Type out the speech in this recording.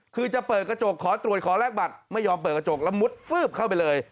คือจะเปิดกระจกขอตรวจขอแลกบัตรไม่ยอมเปิดกระจกแล้วมุดฟืบเข้าไปเลย